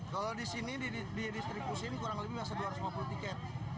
kalau di sini didistribusi kurang lebih dua ratus lima puluh tiket